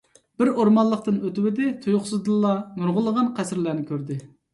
بىر ئورمانلىقتىن ئۆتۈۋىدى، تۇيۇقسىزدىنلا نۇرغۇنلىغان قەسىرلەرنى كۆردى.